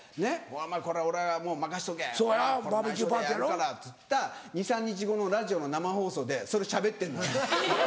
「これもう任しとけ内緒でやるから」っつった２３日後のラジオの生放送でそれしゃべってんのよ。